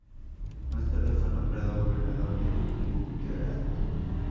Más tarde, fue nombrado gobernador de Guyarat.